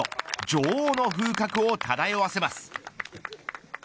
女王の風格を漂わせます。